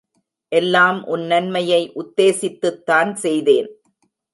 எல்லாம் உன் நன்மையை உத்தேசித்துத்தான் செய்தேன்.